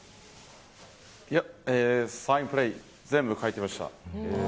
サインプレー、全部書いてました。